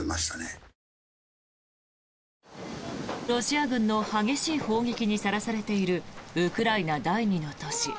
ロシア軍の激しい砲撃にさらされているウクライナ第２の都市